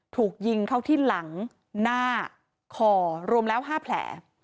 ถูกยิงเข้าที่หลังหน้าคอรวมแล้ว๕แผล